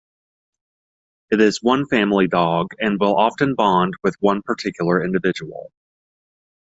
It is a one family dog, and will often bond with one particular individual.